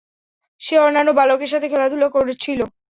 সে অন্যান্য বালকের সাথে খেলাধুলা করছিল।